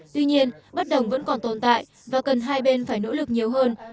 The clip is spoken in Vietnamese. tuy nhiên bất đồng vẫn còn tồn tại và cần hai bên phải nỗ lực nhiều hơn